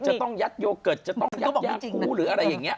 จะต้องยัดโยเกิร์ตจะต้องยัดยาคูหรืออะไรอย่างนี้